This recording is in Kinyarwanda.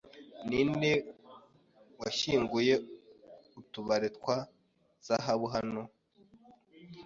Ninde washyinguye utubari twa zahabu hano?